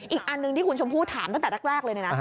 อีกอันหนึ่งที่คุณชมพู่ถามตั้งแต่แรกเลยนะ